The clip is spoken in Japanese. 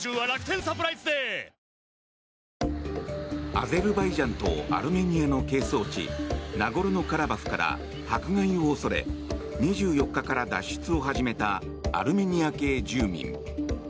アゼルバイジャンとアルメニアの係争地ナゴルノカラバフから迫害を恐れ２４日から脱出を始めたアルメニア系住民。